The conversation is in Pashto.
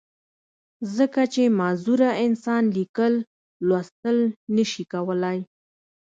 ځکه چې معذوره انسان ليکل، لوستل نۀ شي کولی